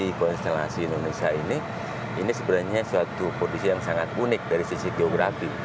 di konstelasi indonesia ini ini sebenarnya suatu kondisi yang sangat unik dari sisi geografi